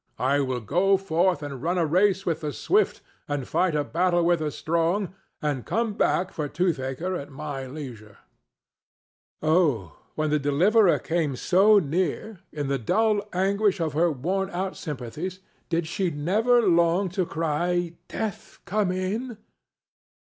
"I will go forth and run a race with the swift and fight a battle with the strong, and come back for Toothaker at my leisure." Oh, when the deliverer came so near, in the dull anguish of her worn out sympathies did she never long to cry, "Death, come in"?